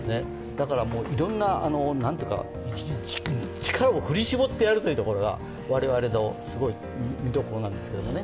だから、いろんな力を振り絞ってやるっていうところが我々の見どころなんですね。